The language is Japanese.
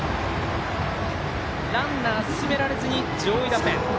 ランナー、進められずに上位打線。